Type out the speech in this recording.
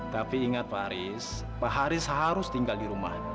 tapi ingat pak haris pak haris harus tinggal di rumah